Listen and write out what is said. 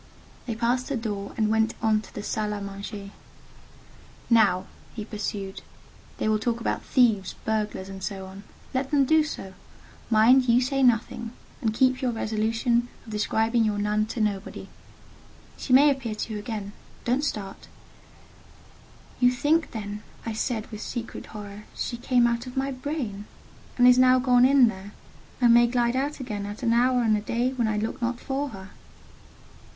They passed the door and went on to the salle à manger. "Now," he pursued, "they will talk about thieves, burglars, and so on: let them do so—mind you say nothing, and keep your resolution of describing your nun to nobody. She may appear to you again: don't start." "You think then," I said, with secret horror, "she came out of my brain, and is now gone in there, and may glide out again at an hour and a day when I look not for her?"